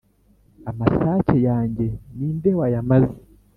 amasake yanjye ni nde wayamaze ??"